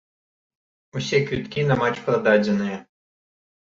Усе квіткі на матч прададзеныя.